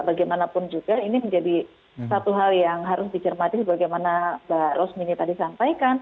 bagaimanapun juga ini menjadi satu hal yang harus dicermati sebagaimana mbak rosmini tadi sampaikan